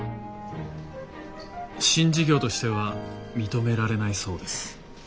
新事業としては認められないそうです。